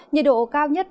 nhiệt độ cao nhất